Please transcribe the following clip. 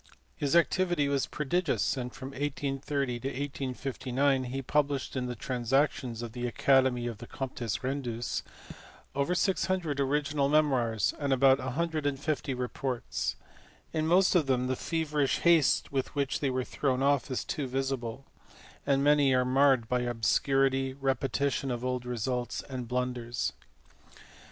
His activity was prodigious, and from 1830 to 1859 he published in the transactions of the Academy or the Comptes Rendus over 600 original memoirs and about 150 reports. In most of them the feverish haste with which they were thrown off is too visible ; and many are marred by obscurity, repetition of old results, and blunders.